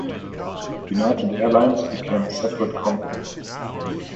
United Airlines became a separate company.